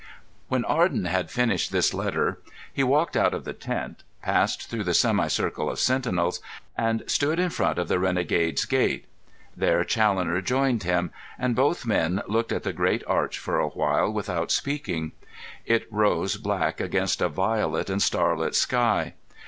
When Arden had finished this letter he walked out of the tent, passed through the semicircle of sentinels, and stood in front of the Renegade's Gate. There Challoner joined him, and both men looked at the great arch for a while without speaking. It rose black against a violet and starlit sky.